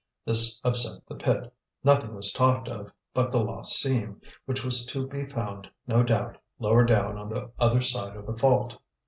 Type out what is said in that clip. This upset the pit; nothing was talked of but the lost seam, which was to be found, no doubt, lower down on the other side of the fault.